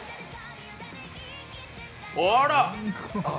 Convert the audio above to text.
あら。